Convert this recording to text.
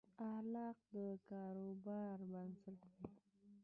اخلاق د کاروبار بنسټ دي.